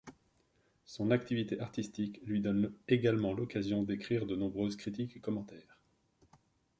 Son activité artistique lui donne également l'occasion d'écrire de nombreuses critiques et commentaires.